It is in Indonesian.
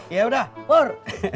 ya udah pur